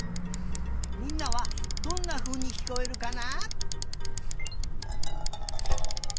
みんなはどんなふうにきこえるかな？